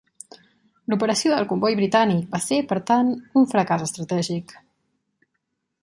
L'operació del comboi britànic va ser, per tant, un fracàs estratègic.